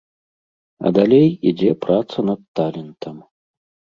А далей ідзе праца над талентам.